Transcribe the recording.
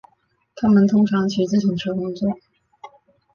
他们通常骑自行车工作。